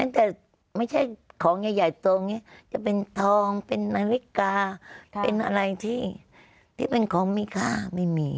แต่ไม่ใช่ของใหญ่ตรงนี้จะเป็นทองเป็นนาฬิกาเป็นอะไรที่เป็นของมีค่าไม่มี